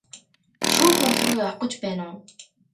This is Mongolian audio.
Шүүх хуралруу явах гэж байна уу?